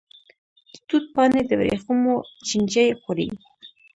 د توت پاڼې د وریښمو چینجی خوري.